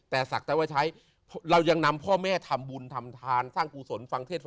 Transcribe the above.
แต่ศักดิ์ได้ว่าใช้